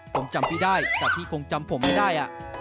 ผมจำพี่ได้แต่พี่คงจำผมไม่ได้